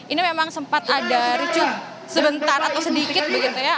ini memang sempat ada ricun sebentar atau sedikit begitu ya